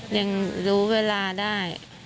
ยังรู้เวลาได้